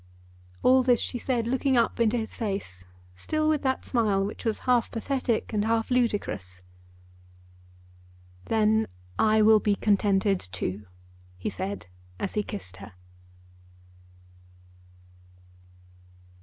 All this she said looking up into his face, still with that smile which was half pathetic and half ludicrous. "Then I will be contented too," he said as he kissed her.